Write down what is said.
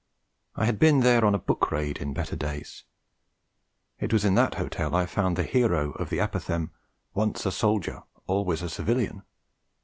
I had been there on a book raid in better days. It was in that hotel I found the hero of the apopthegm: 'Once a soldier always a civilian!'